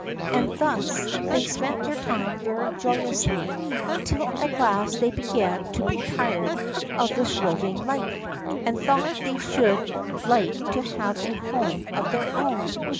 And thus they spent their time very joyously, till at last they began to be tired of this roving life, and thought they should like to have a home of their own.